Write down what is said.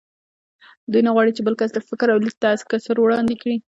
دوی نه غواړ چې بل کس د فکر او لید تکثر وړاندې کړي